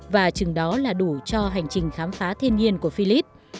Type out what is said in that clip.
và chừng đó là đủ cho hành trình khám phá thiên nhiên của philip